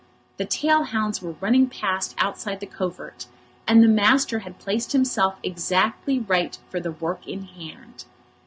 The tail hounds were running past outside the covert, and the master had placed himself exactly right for the work in hand.